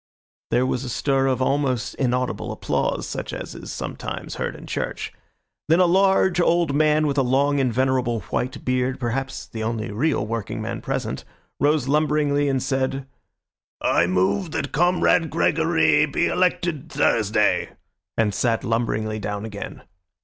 There was a stir of almost inaudible applause, such as is sometimes heard in church. Then a large old man, with a long and venerable white beard, perhaps the only real working man present, rose lumberingly and said— "I move that Comrade Gregory be elected Thursday," and sat lumberingly down again.